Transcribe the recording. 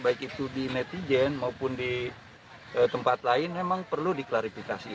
baik itu di netizen maupun di tempat lain memang perlu diklarifikasi